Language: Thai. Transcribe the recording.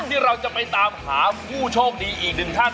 ที่เราจะไปตามหาผู้โชคดีอีกหนึ่งท่าน